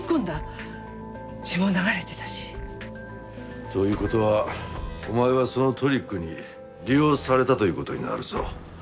血も流れてたし。という事はお前はそのトリックに利用されたという事になるぞ。